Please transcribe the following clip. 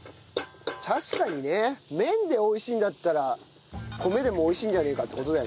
確かにね麺で美味しいんだったら米でも美味しいんじゃねえかって事だよね。